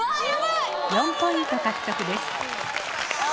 ４ポイント獲得です。